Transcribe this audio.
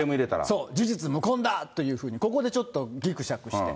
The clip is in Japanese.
そう、事実無根だというふうに、ここでちょっとぎくしゃくして。